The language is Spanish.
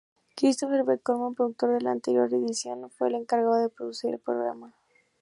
Christer Björkman, productor de la anterior edición, fue el encargado de producir el programa.